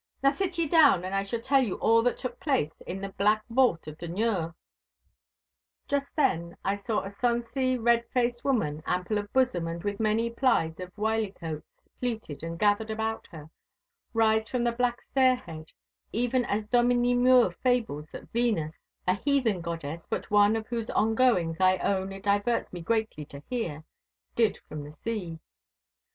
'Now sit ye down, and I shall tell you all that took place in the Black Vaut of Dunure—' Just then I saw a sonsy, red faced woman, ample of bosom and with many plies of wylicoats pleated and gathered about her, rise from the black stair head—even as Dominie Mure fables that Venus (a heathen goddess, but one of whose ongoings I own it diverts me greatly to hear) did from the sea.